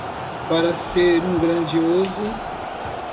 Para ser um grandioso